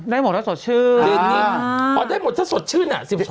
ได้หมดถ้าสดชื่ออ๋อได้หมดถ้าสดชื่อเนี่ย๑๒๘